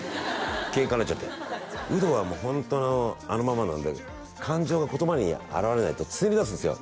ケンカになっちゃってウドはホントあのままなんで感情が言葉に表れないとつねりだすんですよ